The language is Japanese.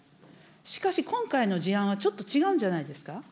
しかし今回の事案はちょっと違うんじゃないですか。